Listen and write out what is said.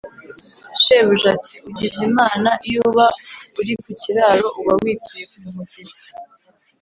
shebuja ati:” ugize imana; iyo uba uri ku kiraro uba wituye mu mugezi!